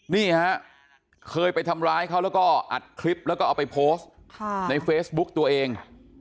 นี่ฮะเคยไปทำร้ายเขาแล้วก็อัดคลิปแล้วก็เอาไปโพสต์ในเฟซบุ๊กตัวเอง